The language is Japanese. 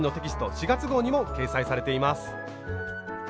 ４月号にも掲載されています。